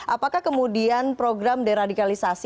apakah kemudian program deradikalisasi